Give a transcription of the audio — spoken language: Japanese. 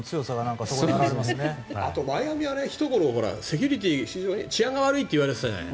あとマイアミはセキュリティー、治安が悪いといわれてたじゃない。